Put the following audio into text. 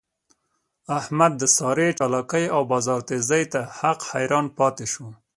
احمد د سارې چالاکی او بازار تېزۍ ته حق حیران پاتې شو.